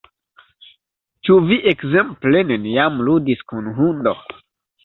Ĉu vi ekzemple neniam ludis kun hundo?